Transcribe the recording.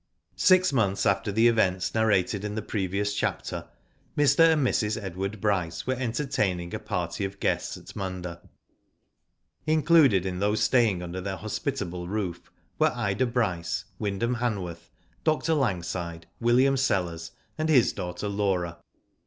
Six months after the events narrated in the pre vious chapter, Mr. and Mrs. Edward Bryce were entertaining a party of guests at Munda. Included in those staying under their hospitable roof, were Ida Bryce, Wyndham Hanworth, Dr. Langside, William Sellers, and his daughter Laura.